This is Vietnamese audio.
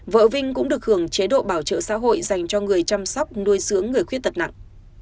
vợ vinh cũng được hưởng chế độ bảo trợ xã hội dành cho người chăm sóc nuôi dưỡng người khuyết tật nặng